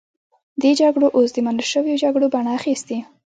دې جګړو اوس د منل شویو جګړو بڼه اخیستې.